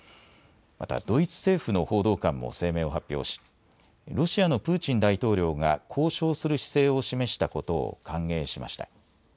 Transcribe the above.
また、ドイツ政府の報道官も声明を発表しロシアのプーチン大統領が交渉する姿勢を示したことを歓迎しました。